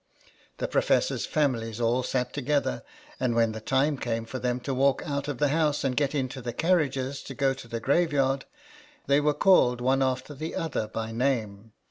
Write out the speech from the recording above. The professors' families all sat together ; and when the time came for them to walk out of the house and get into the carriages to go to the graveyard, they were called, one after the other, by name.